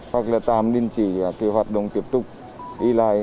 hoặc là tạm đình chỉ hoạt động tiếp tục đi lại